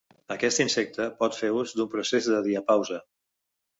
Aquest insecte pot fer ús d'un procés de diapausa.